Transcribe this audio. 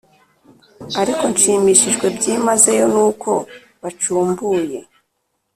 ariko nshimishijwe byimazeyo nuko bacumbuye.